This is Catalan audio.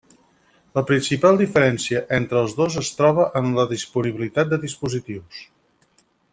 La principal diferència entre els dos es troba en la disponibilitat de dispositius.